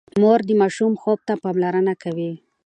مور د ماشوم خوب ته پاملرنه کوي۔